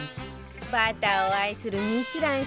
バターを愛するミシュラン